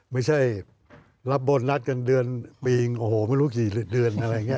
ไม่ใช่รับบนรัฐกันเดือนปีโอ้โหไม่รู้กี่เดือนอะไรอย่างนี้